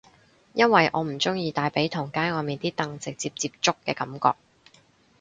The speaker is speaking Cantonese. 因為我唔鍾意大髀同街外面啲凳直接接觸嘅感覺